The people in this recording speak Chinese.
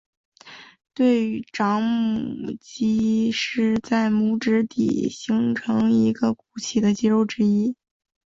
对掌拇肌是在拇指底部形成一个鼓起的肌肉之一。